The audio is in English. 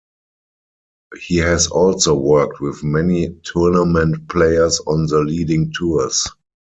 He has also worked with many tournament players on the leading tours.